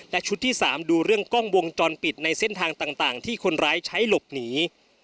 และชุดที่๓ดูเรื่องกล้องวงจรปิดในเส้นทางต่างที่คนร้ายใช้หลบหนี